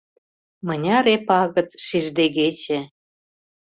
Мыняре пагыт шиждегече